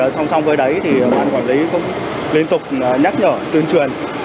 xong xong với đấy ban quản lý cũng liên tục nhắc nhở tuyên truyền